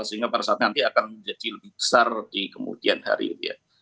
sehingga pada saat nanti akan menjadi lebih besar di kemudian hari